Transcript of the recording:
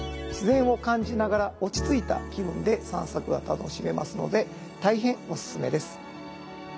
自然を感じながら落ち着いた気分で散策が楽しめますので大変おすすめです。